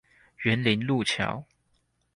員林陸橋